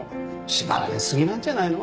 縛られすぎなんじゃないの？